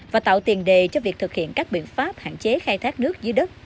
và tạo tiền đề cho việc thực hiện các biện pháp hạn chế khai thác nước dưới đất